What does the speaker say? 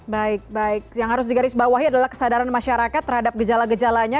baik baik yang harus digarisbawahi adalah kesadaran masyarakat terhadap gejala gejalanya